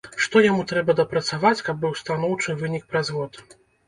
Што яму трэба дапрацаваць, каб быў станоўчы вынік праз год?